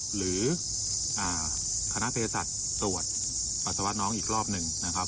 หรือคณะพยาศาสตร์ตรวจปัสสาวะน้องอีกรอบหนึ่ง